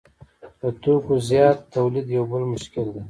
د توکو زیات تولید یو بل مشکل دی